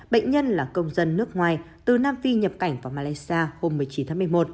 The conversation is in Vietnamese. bệnh nhân là công dân nước ngoài từ nam phi nhập cảnh vào malaysia hôm một mươi chín tháng một mươi một